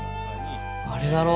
あれだろ？